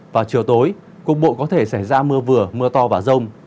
và chiều tối cục bộ có thể xảy ra mưa vừa mưa to và rông